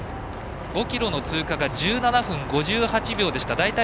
５ｋｍの通過が１７分５７秒でした。